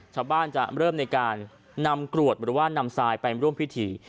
ชาวบ้านจะเริ่มในการนำกรวดหรือว่านำทรายไปร่วมพิธี